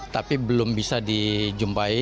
tapi belum bisa dijumpai